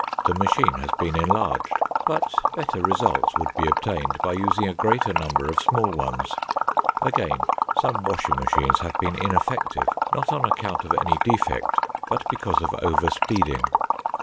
The machine has been enlarged, but better results would be obtained by using a greater number of small ones. Again, some washing machines have been ineffective, not on account of any defect, but because of over speeding.